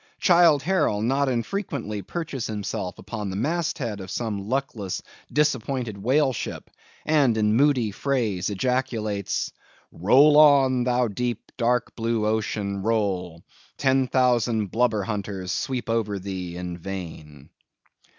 Childe Harold not unfrequently perches himself upon the mast head of some luckless disappointed whale ship, and in moody phrase ejaculates:— "Roll on, thou deep and dark blue ocean, roll! Ten thousand blubber hunters sweep over thee in vain."